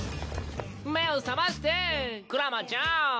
目を覚ましてクラマちゃん。